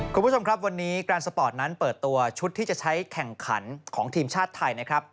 คุณผู้ชมครับวันนี้การสปอร์ตนั้นเปิดตัวชุดที่จะใช้แข่งขันของทีมชาติไทยนะครับ